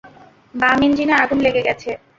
বাম ইঞ্জিনে আগুন লেগে গেছে!